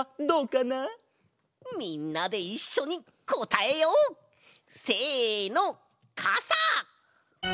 みんなでいっしょにこたえよう！せの！かさ！